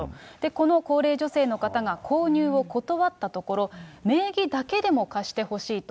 この高齢女性の方が購入を断ったところ、名義だけでも貸してほしいと。